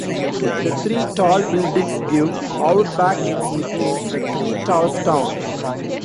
The three tall buildings give Auerbach its nickname "the Three Towers Town".